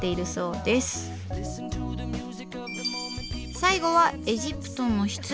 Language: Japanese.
最後はエジプトの棺。